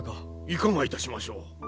いかがいたしましょう？